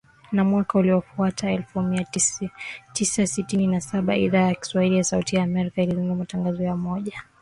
Na mwaka uliofuata, elfu mia tisa sitini na saba, Idhaa ya Kiswahili ya Sauti ya Amerika ilizindua matangazo ya moja kwa moja kutoka studio zake mjini Washington dc